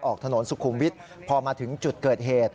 ออกถนนสุขุมวิทย์พอมาถึงจุดเกิดเหตุ